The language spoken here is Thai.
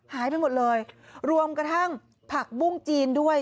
หายไปหมดเลยรวมกระทั่งผักบุ้งจีนด้วย